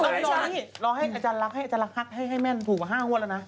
เฮ้ยนี่เราให้อาจารย์ลักษณ์ให้แม่นถูกกว่า๕ห้วนแล้วน่ะ